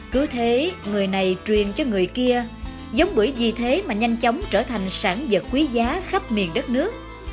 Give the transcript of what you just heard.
cứ thế người này truyền cho người kia giống bưởi gì thế mà nhanh chóng trở thành sản vật quý giá khắp miền đất nước